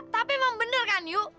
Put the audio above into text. tapi emang bener kan yuk